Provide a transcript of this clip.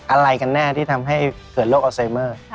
อะไรกันแน่ที่ทำให้เกิดโรคอัลไซเมอร์